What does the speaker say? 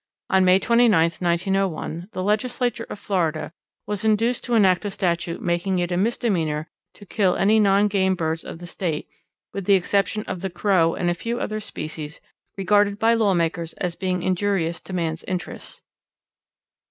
On May 29, 1901, the legislature of Florida was induced to enact a statute making it a misdemeanour to kill any non game birds of the State with the exception of the Crow and a few other species regarded by the lawmakers as being injurious to man's interests.